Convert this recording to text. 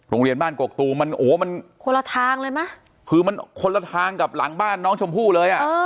โรงเรียนบ้านกกตูมมันโอ้โหมันคนละทางเลยไหมคือมันคนละทางกับหลังบ้านน้องชมพู่เลยอ่ะ